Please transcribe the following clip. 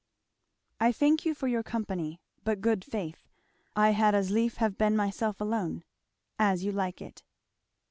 I thank you for your company; but good faith, I had as lief have been myself alone. As You Like It.